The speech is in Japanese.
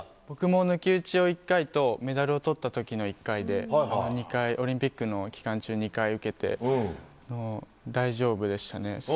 僕も抜き打ちを１回と、メダルをとったときの１回で、２回、オリンピックの期間中、２回受けて、大丈夫でしたね。